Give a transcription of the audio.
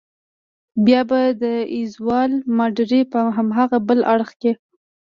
بیا به د ایزولا ماډرې په هاغه بل اړخ کې.